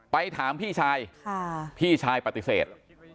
ไปถามพี่ชายพี่ชายปฏิเสธ